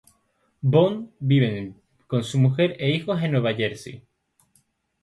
Bond vive con su mujer e hijo en Nueva Jersey.